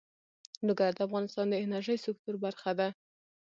لوگر د افغانستان د انرژۍ سکتور برخه ده.